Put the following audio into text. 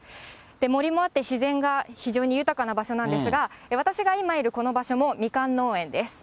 森もあって、自然が非常に豊かな場所なんですが、私が今いるこの場所もみかん農園です。